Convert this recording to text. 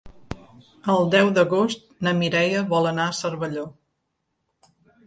El deu d'agost na Mireia vol anar a Cervelló.